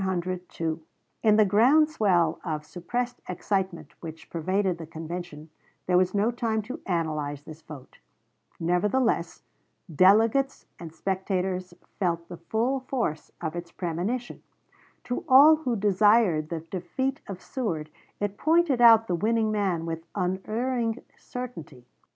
In the groundswell of suppressed excitement which pervaded the convention there was no time to analyze this vote; nevertheless, delegates and spectators felt the full force of its premonition; to all who desired the defeat of Seward it pointed out the winning man with, unerring certainty.